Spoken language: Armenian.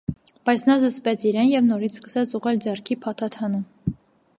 Բայց նա զսպեց իրեն և նորից սկսեց ուղղել ձեռքի փաթաթանը: